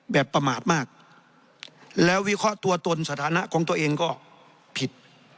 ประมาทมากแล้ววิเคราะห์ตัวตนสถานะของตัวเองก็ผิด